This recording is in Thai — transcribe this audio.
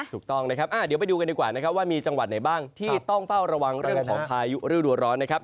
ถูกต้องนะครับเดี๋ยวไปดูกันดีกว่านะครับว่ามีจังหวัดไหนบ้างที่ต้องเฝ้าระวังเรื่องของพายุฤดูร้อนนะครับ